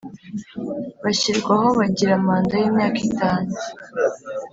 Bashyirwaho bagira manda y’imyaka itanu